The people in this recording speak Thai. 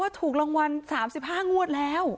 ถูกรางวัล๓๕งวดแล้ว